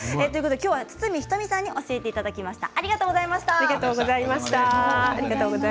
今日は堤人美さんに教えていただきました。